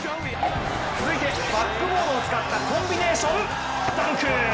続いて、バックボードを使ったコンビネーション、ダンク。